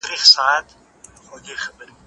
زه اوس د ښوونځی لپاره تياری کوم،